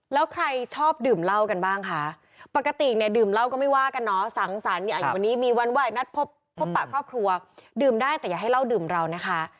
แล้วใครชอบดื่มเหล้ากันบ้างคะปกติเนี่ยดื่มเหล้าก็ไม่ว่ากันเนาะสังสรรค์อย่างวันนี้มีวันไหว้นัดพบพบปะครอบครัวดื่มได้แต่อย่าให้เหล้าดื่มเรานะคะ